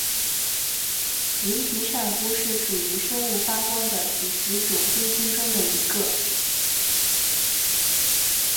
鳞皮扇菇是属于生物发光的几十种真菌中的一个。